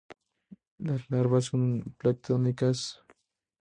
Las larvas son planctónicas.